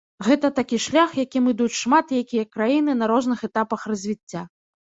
Гэта такі шлях, якім ідуць шмат якія краіны на розных этапах развіцця.